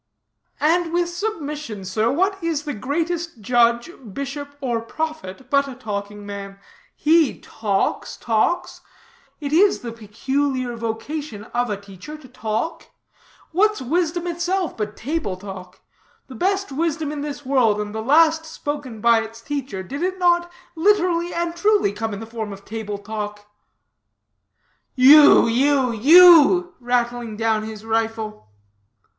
"And with submission, sir, what is the greatest judge, bishop or prophet, but a talking man? He talks, talks. It is the peculiar vocation of a teacher to talk. What's wisdom itself but table talk? The best wisdom in this world, and the last spoken by its teacher, did it not literally and truly come in the form of table talk?" "You, you, you!" rattling down his rifle.